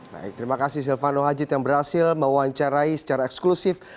baik terima kasih silvano hajid yang berhasil mewawancarai secara eksklusif